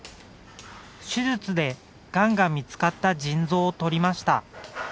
手術でがんが見つかった腎臓を取りました。